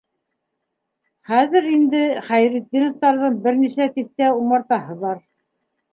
Хәҙер инде Хәйретдиновтарҙың бер нисә тиҫтә умартаһы бар.